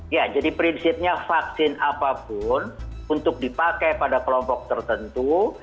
ya jadi prinsipnya vaksin apapun untuk dipakai pada kelompok tertentu